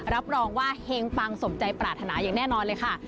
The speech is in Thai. รับรองว่าเฮงปังสมใจปรารถนาอย่างแน่นอนเลยค่ะ